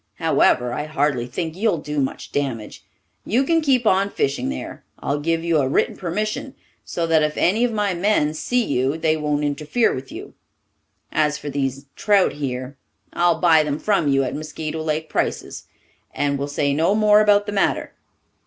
However, I hardly think you'll do much damage. You can keep on fishing there. I'll give you a written permission, so that if any of my men see you they won't interfere with you. As for these trout here, I'll buy them from you at Mosquito Lake prices, and will say no more about the matter.